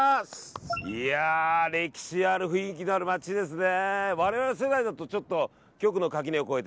いやー歴史ある雰囲気のある街ですね。